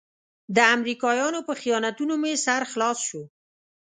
د امريکايانو په خیانتونو مې سر خلاص شو.